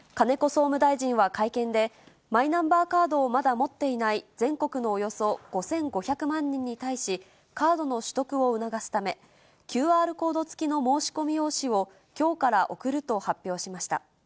総務大臣は会見で、マイナンバーカードをまだ持っていない、全国のおよそ５５００万人に対し、カードの取得を促すため、ＱＲコード付きの申し込み用紙を、きょうから送ると発表しました。